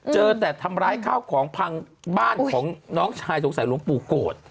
เจอแต่ทำร้ายข้าวของพังบ้านของน้องชายสงสัยหลวงปู่โกรธ